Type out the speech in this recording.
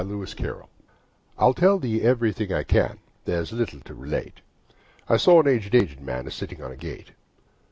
Lewis Carroll The Knight's Song I'LL tell thee everything I can: There's little to relate. I saw an aged aged man, A sitting on a gate.